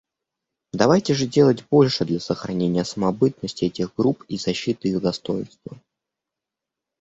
Давайте же делать больше для сохранения самобытности этих групп и защиты их достоинства.